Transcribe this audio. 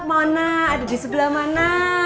mana ada disebelah mana